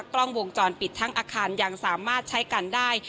กล้องวงจรปิดทั้งอาคารยังสามารถใช้กันได้